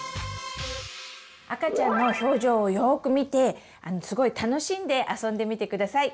赤ちゃんの表情をよく見てすごい楽しんで遊んでみてください。